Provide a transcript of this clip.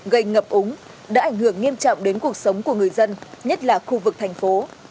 gây ngập úng đã ảnh hưởng nghiêm trọng đến cuộc sống của người dân nhất là khu vực thành phố